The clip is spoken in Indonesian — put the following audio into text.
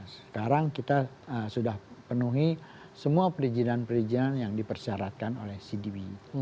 sekarang kita sudah penuhi semua perizinan perizinan yang dipersyaratkan oleh cdb